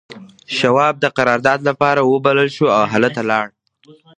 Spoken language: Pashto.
شواب د قرارداد لپاره وبلل شو او هلته لاړ